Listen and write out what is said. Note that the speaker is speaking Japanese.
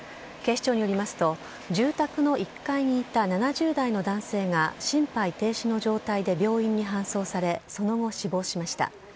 警視庁によりますと、住宅の１階にいた７０代の男性が心肺停止の状態で病院に搬送され、その後、死亡しました。